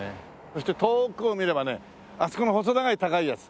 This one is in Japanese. そして遠くを見ればねあそこの細長い高いやつ。